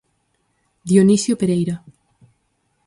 Dionisio Pereira.